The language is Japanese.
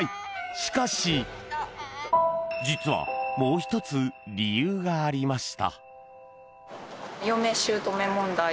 しかし実はもう一つ理由がありました